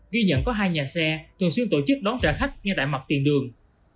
ghi nhận có hai nhà xe thường xuyên tổ chức đón trả khách ngay tại mặt tiền đường